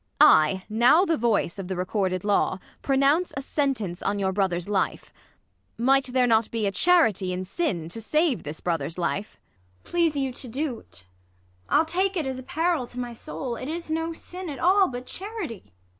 I, now the voice of the recorded law. Pronounce a sentence on your brother's life, Might there not be a charity in sin, To save this brother's life ^ ISAB. Please you to do't, I'll take it as a peril to my soul. It is no sin at all, but charity.